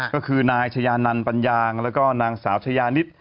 ก็คือนายชยานานและลังสาวชยานิ่ต